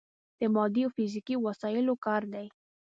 د مادي او فزیکي وسايلو کار دی.